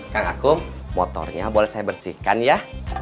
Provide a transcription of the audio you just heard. kak akum motornya boleh saya bersihkan ya